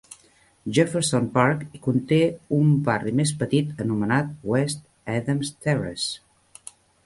Jefferson Park hi conté un barri més petit anomenat West Adams Terrace.